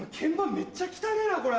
めっちゃ汚ねぇなこれ。